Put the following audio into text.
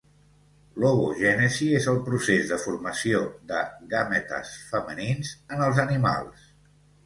L'ovogènesi és el procés de formació de gàmetes femenins en els animals.